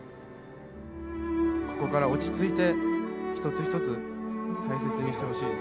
ここから落ち着いて一つ一つ大切にしてほしいです。